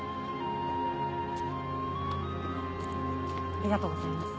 ありがとうございます。